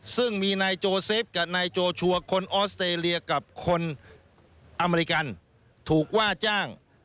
ซึ่งมีนายโจเซฟกับนายโจชัวร์คนออสเตรเลียกับคนอเมริกันถูกว่าจ้าง